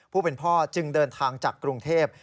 ผู้เป็นพ่อจึงเดินทางจากกรุงเทพ